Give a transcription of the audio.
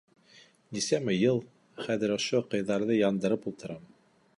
Нисәмә йыл хәҙер ошо ҡыйҙарҙы яндырып ултырам.